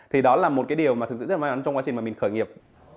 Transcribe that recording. thì đó là một cái điều mà thực sự rất là may mắn trong quá trình mà mình khởi nghiệp